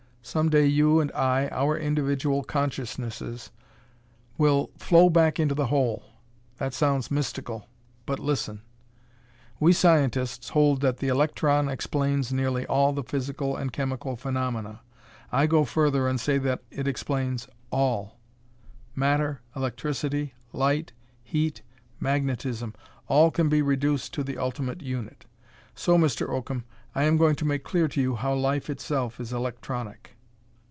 Some day you and I our individual consciousnesses will flow back to the Whole. That sounds mystical, but listen. "We scientists hold that the electron explains nearly all the physical and chemical phenomena. I go further and say that it explains all. Matter, electricity, light, heat, magnetism all can be reduced to the ultimate unit. So, Mr. Oakham, I am going to make clear to you how life itself is electronic."